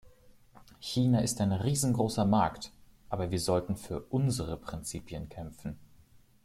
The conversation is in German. China ist ein riesengroßer Markt, aber wir sollten für unsere Prinzipien kämpfen.